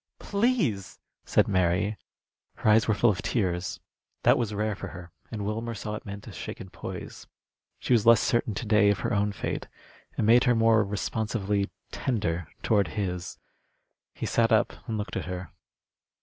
"Please!" said Mary. Her eyes were full of tears. That was rare for her, and Wilmer saw it meant a shaken poise. She was less certain to day of her own fate. It made her more responsively tender toward his. He sat up and looked at her.